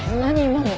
今の。